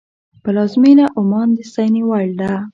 پلازمینه عمان د ستاینې وړ ده.